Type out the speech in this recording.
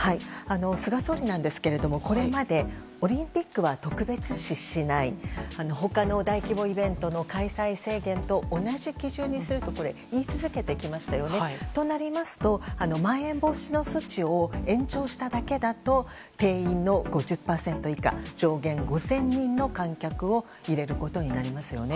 菅総理ですが、これまでオリンピックは特別視しない他の大規模イベントの開催制限と同じ基準にすると言い続けてきましたよね。となりますと、まん延防止措置を延長しただけだと定員の５０％以下上限５０００人の観客を入れることになりますよね。